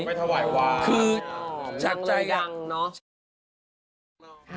ไม่ถวายวางนั่งเลยยังเนอะจากใจคือ